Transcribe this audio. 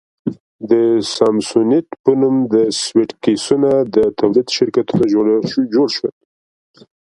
د سامسونیټ په نوم د سویټ کېسونو د تولید شرکتونه جوړ شول.